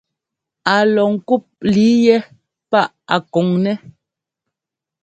Á lɔ ŋkûp líi yɛ́ paʼa a kɔn nɛ́.